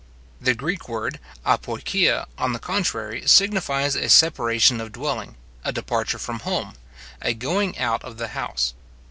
The Greek word (apoixia), on the contrary, signifies a separation of dwelling, a departure from home, a going out of the house.